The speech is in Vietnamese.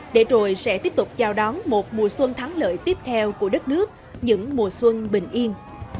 để rồi sẽ tiếp tục chào đón một mùa xuân thắng lợi tiếp theo của đất nước những mùa xuân bình yên